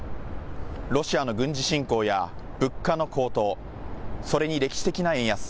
ロシアの軍事侵攻や物価の高騰、それに歴史的な円安。